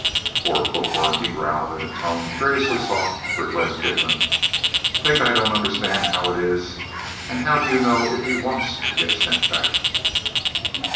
"Poor bookworm," he growled in a tone curiously soft for Glen Tiflin. "Think I don't understand how it is? And how do you know if he wants to get sent back?"